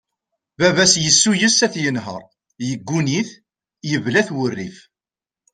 Bab-is yessuyes ad t-yenher, yegguni-t, yebla-t wurrif.